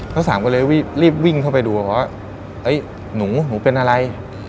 สามก็เลยรีบวิ่งเข้าไปดูเขาว่าหนูหนูเป็นอะไร